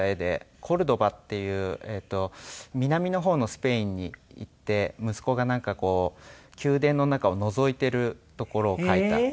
コルドバっていう南の方のスペインに行って息子がなんかこう宮殿の中をのぞいてるところを描いたものです。